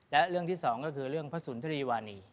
และเรื่องที่สองก็คือเรื่องพระสุนทรีวานี